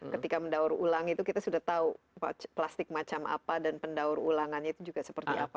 ketika mendaur ulang itu kita sudah tahu plastik macam apa dan pendaur ulangannya itu juga seperti apa